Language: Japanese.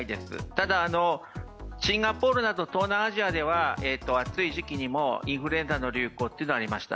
ただ、シンガポールなど東南アジアでは暑い時期にもインフルエンザの流行はありました。